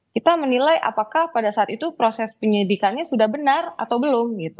kita menilai apakah pada saat itu proses penyidikannya sudah benar atau belum gitu